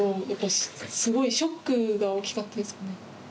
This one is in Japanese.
すごいショックが大きかったですね。